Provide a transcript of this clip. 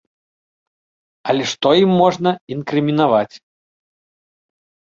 Але што ім можна інкрымінаваць?